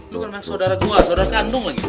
lo kan memang sodara gua sodara kandung lagi